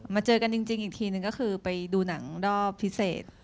เจอกันจริงอีกทีนึงก็คือไปดูหนังรอบพิเศษ